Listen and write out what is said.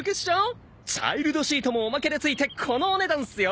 チャイルドシートもおまけでついてこのお値段っすよ。